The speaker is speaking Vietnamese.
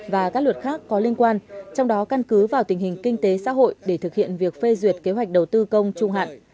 và các luật khác có liên quan trong đó căn cứ vào tình hình kinh tế xã hội để thực hiện việc phê duyệt kế hoạch đầu tư công trung hạn